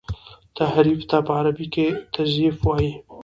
تحريف ته په عربي کي تزييف وايي.